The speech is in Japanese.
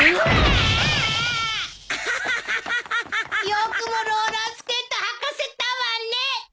よくもローラースケート履かせたわね！